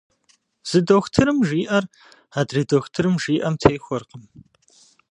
Зы дохутырым жиӏэр, адрей дохутырым жиӏэм техуэркъым.